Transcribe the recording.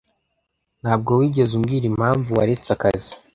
Ntabwo wigeze umbwira impamvu waretse akazi.